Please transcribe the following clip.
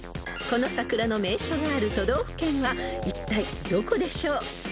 ［この桜の名所がある都道府県はいったいどこでしょう？］